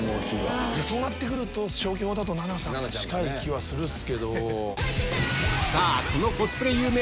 そうなると消去法だと奈々さんが近い気はするけど。